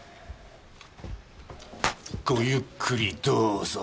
ごゆっくりどうぞ！